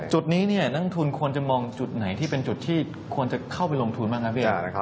จุดนี้นักลงทุนควรจะมองจุดไหนที่เป็นจุดที่ควรจะเข้าไปลงทุนบ้างครับพี่